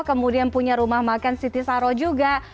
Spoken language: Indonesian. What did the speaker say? kemudian punya rumah makan siti saro juga